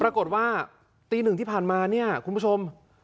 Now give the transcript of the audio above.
ปรากฏว่าตีหนึ่งที่ผ่านมาเนี่ยคุณผู้ชม